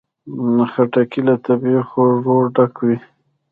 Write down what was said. خټکی له طبیعي خوږو ډک وي.